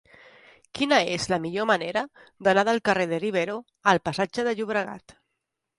Quina és la millor manera d'anar del carrer de Rivero al passatge del Llobregat?